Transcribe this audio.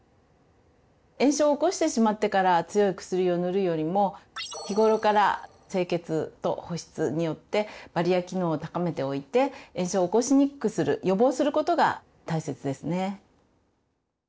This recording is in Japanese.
炎症を起こしてしまってから強い薬を塗るよりも日頃から清潔と保湿によってバリア機能を高めておいて炎症を起こしにくくする予防することが大切ですね。